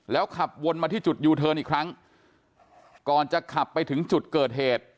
ขับวนมาที่จุดยูเทิร์นอีกครั้งก่อนจะขับไปถึงจุดเกิดเหตุ